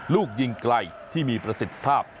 ลูกยิงไกลที่มีประสิทธิภาพ